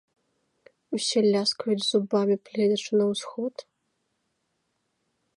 Усе ляскаюць зубамі, гледзячы на ўсход.